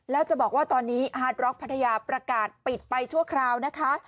แล้วจะบอกว่าตอนนี้อาร์ดร็อกพัทยาประกาศปิดไปชั่วคราวนะคะ